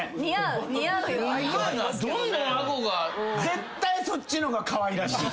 絶対そっちの方がかわいらしい。